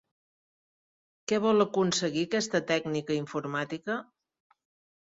Què vol aconseguir aquesta tècnica informàtica?